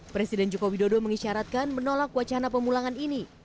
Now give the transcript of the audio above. presiden joko widodo mengisyaratkan menolak wacana pemulangan ini